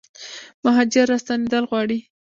مهاجر راستنیدل غواړي